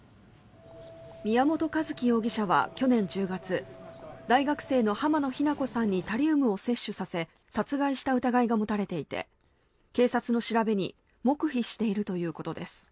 宮本一希容疑者は去年１０月大学生の浜野日菜子さんにタリウムを摂取させ殺害した疑いが持たれていて警察の調べに黙秘しているということです。